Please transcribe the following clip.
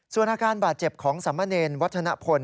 ส่วนอาการบาดเจ็บของสามเณรวัฒนพล